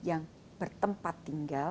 yang bertempat tinggal